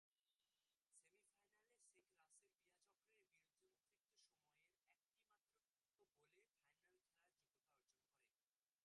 সেমিফাইনালে শেখ রাসেল ক্রীড়া চক্রের বিরুদ্ধে অতিরিক্ত সময়ের একমাত্র গোলে ফাইনালে খেলার যোগ্যতা অর্জন করে।